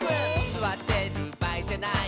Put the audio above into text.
「すわってるばあいじゃない」